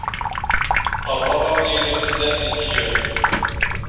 قرّرت ليلى ارتداء الحجاب.